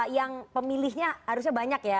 yang pemilihnya harusnya banyak ya